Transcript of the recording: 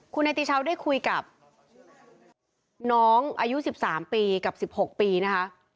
คุณนาติเช้าได้คุยกับน้องอายุสิบสามปีกับสิบหกปีนะคะ